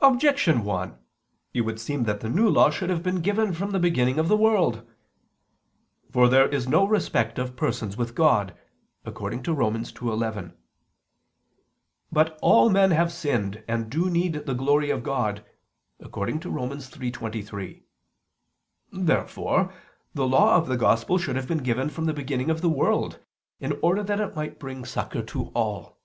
Objection 1: It would seem that the New Law should have been given from the beginning of the world. "For there is no respect of persons with God" (Rom. 2:11). But "all" men "have sinned and do need the glory of God" (Rom. 3:23). Therefore the Law of the Gospel should have been given from the beginning of the world, in order that it might bring succor to all.